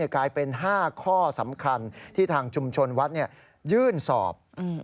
กลายเป็น๕ข้อสำคัญที่ทางชุมชนวัดยื่นสอบ